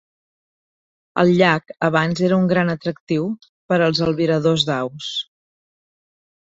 El llac abans era un gran atractiu per als albiradors d'aus.